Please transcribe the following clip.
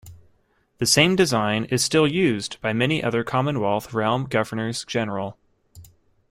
The same design is still used by many other Commonwealth Realm Governors-General.